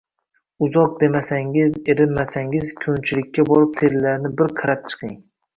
Uzoq demasangiz, erinmasangiz ko‘nchilikka borib terilarni bir qarab chiqing